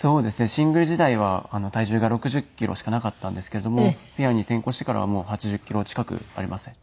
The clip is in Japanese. シングル時代は体重が６０キロしかなかったんですけれどもペアに転向してからは８０キロ近くありますね。